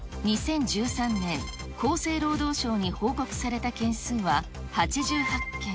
２０１３年、厚生労働省に報告された件数は８８件。